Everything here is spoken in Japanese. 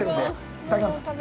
いただきます。